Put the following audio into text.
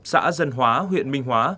xã dân hóa huyện minh hóa